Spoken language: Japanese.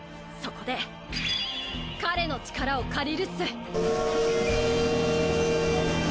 そこで彼の力を借りるっす！